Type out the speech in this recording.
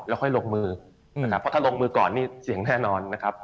แล้วค่อยลงมือนะครับเพราะถ้าลงมือก่อนนี่เสียงแน่นอนนะครับ